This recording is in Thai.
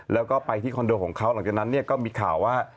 แล้วก็ไปที่คอนโดของเขาหลังจากนั้นเนี่ยก็มีข่าวว่า